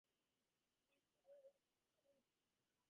Hamill currently serves as the forwards coach of Saint Kilda.